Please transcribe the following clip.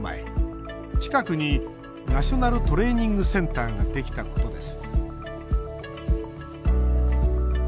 近くにナショナルトレーニングセンターができたことです。